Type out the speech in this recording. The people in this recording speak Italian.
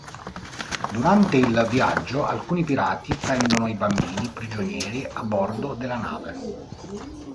Durante il viaggio, alcuni pirati prendono i bambini prigionieri a bordo della nave.